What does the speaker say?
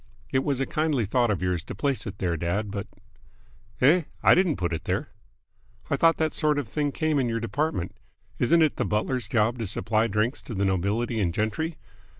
It was a kindly thought of yours to place it there, dad, but " "Eh? I didn't put it there." "I thought that sort of thing came in your department. Isn't it the butler's job to supply drinks to the nobility and gentry?